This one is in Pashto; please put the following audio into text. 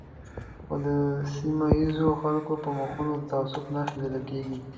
خو د سیمه ییزو خلکو پر مخونو د تعصب نښې لیدل کېږي.